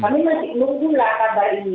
kami masih menunggulah kabar ini